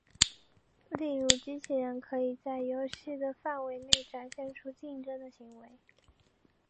例如机器人可以在游戏的范围内展现出竞争的行为。